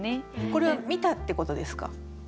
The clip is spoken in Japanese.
これは見たってことですか？